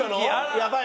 やばい。